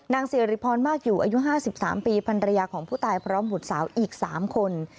สิริพรมากอยู่อายุ๕๓ปีภรรยาของผู้ตายพร้อมบุตรสาวอีก๓คน